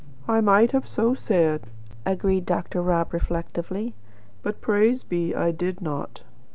"I might have so said," agreed Dr. Rob reflectively; "but praise be, I did not."